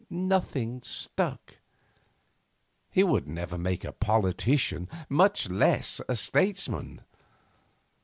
Nothing stuck. He would never make a politician, much less a statesman.